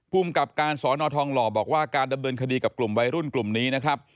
ภูมิกับการสอนอทองหล่อบอกว่าการดำเนินคดีกับกลุ่มวัยรุ่นกลุ่มนี้นะครับ